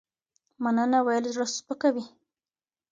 مننه ويل زړه سپکوي